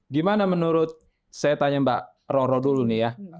gimana menurut saya tanya mbak roro dulu nih ya